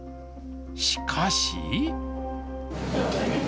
しかし。